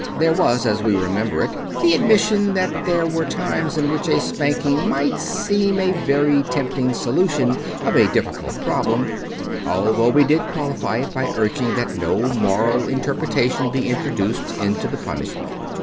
There was, as we remember it, the admission that there were times in which a spanking might seem a very tempting solution of a difficult problem, although we did qualify it by urging that no moral interpretation be introduced into the punishment.